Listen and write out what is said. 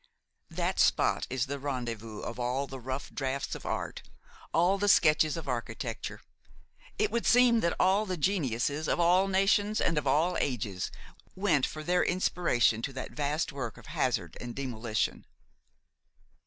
That spot is the rendezvous of all the rough drafts of art, all the sketches of architecture; it would seem that all the geniuses of all nations and of all ages went for their inspiration to that vast work of hazard and demolition.